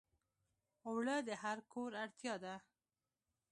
اوړه د هر کور اړتیا ده